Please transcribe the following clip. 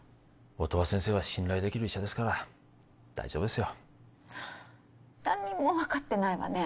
音羽先生は信頼できる医者ですから大丈夫ですよ何も分かってないわね